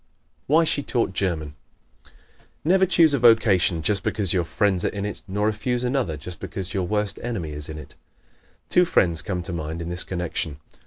Why She Taught German ¶ Never choose a vocation just because your friends are in it, nor refuse another just because your worst enemy is in it. Two friends come to mind in this connection.